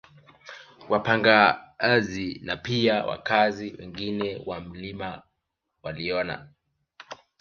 Wapagazi na pia wakazi wengine wa mlima waliona